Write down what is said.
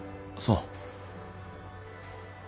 そう。